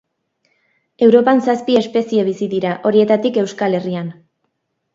Europan zazpi espezie bizi dira, horietatik Euskal Herrian.